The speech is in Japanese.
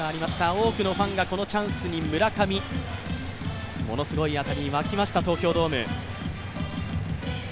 多くのファンがこのチャンスに村上、ものすごい当たりに沸きました東京ドーム。